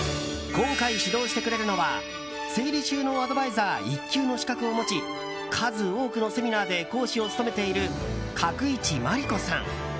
今回指導してくれるのは整理収納アドバイザー１級の資格を持ち数多くのセミナーで講師を務めている角一まり子さん。